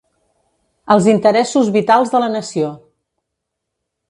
Els interessos vitals de la nació.